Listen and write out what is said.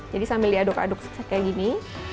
jadi sambil diaduk aduk kayak gini